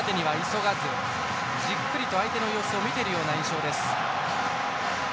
じっくりと相手の様子を見ているような印象です。